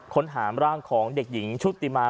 หามร่างของเด็กหญิงชุติมา